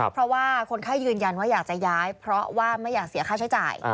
เพราะว่าคนไข้ยืนยันว่าอยากจะย้ายเพราะว่าไม่อยากเสียค่าใช้จ่าย